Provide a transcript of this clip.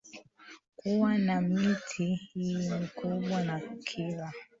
kuwa na miti hii mikubwa Na kila